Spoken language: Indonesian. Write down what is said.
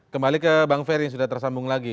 kembali ke bang ferry sudah tersambung lagi